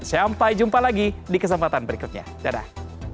sampai jumpa lagi di kesempatan berikutnya dadah